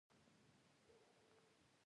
زه لا هم د افغانستان د زیان خوب وینم.